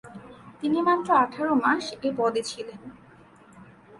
তিনি মাত্র আঠারো মাস এ পদে ছিলেন।